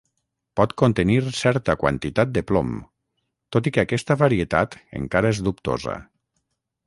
Pot contenir certa quantitat de plom, tot i que aquesta varietat encara és dubtosa.